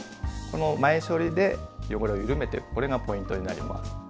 この前処理で汚れを緩めておくこれがポイントになります。